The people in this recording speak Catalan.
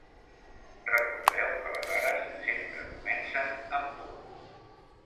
Recordeu que les hores sempre comencen en punt.